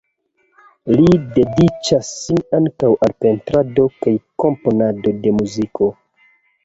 Li dediĉas sin ankaŭ al pentrado kaj komponado de muziko.